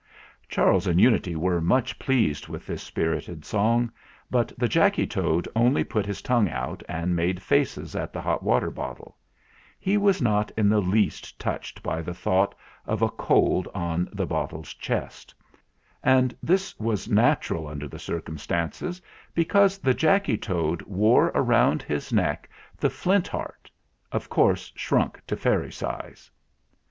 Charles and Unity were much pleased with this spirited song ; but the Jacky Toad only put his tongue out and made faces at the hot water bottle. He was not in the least touched by 210 THE FLINT HEART the thought of a cold on the bottle's chest. And this was natural under the circumstances, because the Jacky Toad wore round his neck the Flint Heart of course shrunk to fairy size.